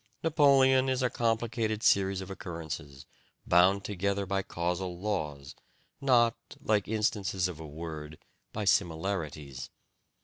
Napoleon is a complicated series of occurrences, bound together by causal laws, not, like instances of a word, by similarities.